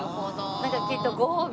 なんかきっとご褒美。